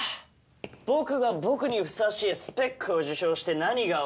僕が僕にふさわしいスペックを自称して何が悪い？